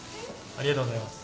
ありがとうございます。